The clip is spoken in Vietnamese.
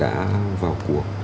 đã vào cuộc